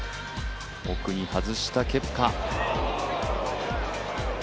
奥に外したケプカ。